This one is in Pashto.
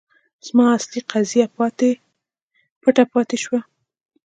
زما اصلي قضیه پټه پاتې شوه.